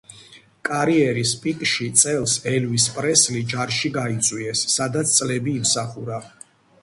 კარიერის პიკში წელს ელვის პრესლი ჯარში გაიწვიეს, სადაც წლები იმსახურა.